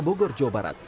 bogor jawa barat